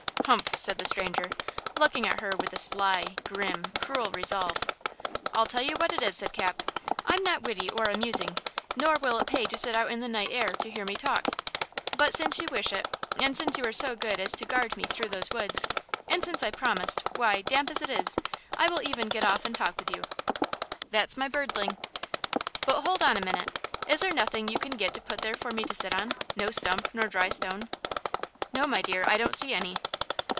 "Humph!" said the stranger, looking at her with a sly, grim, cruel resolve. "I'll tell you what it is," said Cap, "I'm not witty nor amusing, nor will it pay to sit out in the night air to hear me talk; but since you wish it, and since you were so good as to guard me through these woods, and since I promised, why, damp as it is, I will even get off and talk with you." "That's my birdling!" "But hold on a minute; is there nothing you can get to put there for me to sit on–no stump nor dry stone?" "No, my dear; I don't see any."